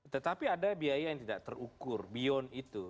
tetapi ada biaya yang tidak terukur beyond itu